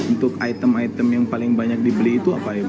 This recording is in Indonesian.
untuk item item yang paling banyak dibeli itu apa ya bu